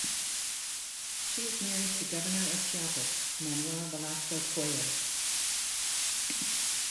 She is married to Governor of Chiapas, Manuel Velasco Coello.